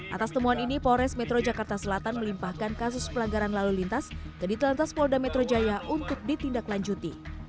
atas temuan ini polres metro jakarta selatan melimpahkan kasus pelanggaran lalu lintas ke ditelantas polda metro jaya untuk ditindaklanjuti